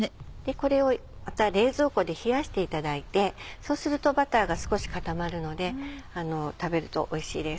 これをまた冷蔵庫で冷やしていただいてそうするとバターが少し固まるので食べるとおいしいです。